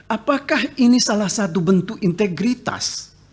apakah ini salah satu bentuk integritas